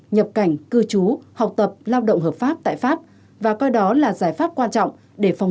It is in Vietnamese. nhập cảnh cư trú học tập lao động hợp pháp tại pháp và coi đó là giải pháp quan trọng để phòng